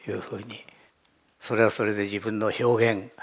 それはそれで自分の表現。